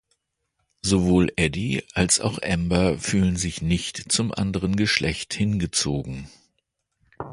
Sowohl Eddie als auch Amber fühlen sich nicht zum anderen Geschlecht hingezogen.